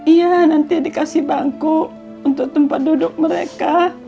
iya nanti dikasih bangku untuk tempat duduk mereka